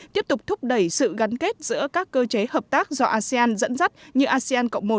tiếp tục thúc đẩy sự gắn kết giữa các cơ chế hợp tác do asean dẫn dắt như asean cộng một